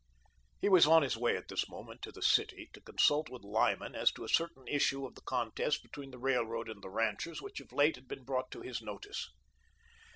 He was on his way at this moment to the city to consult with Lyman as to a certain issue of the contest between the Railroad and the ranchers, which, of late, had been brought to his notice.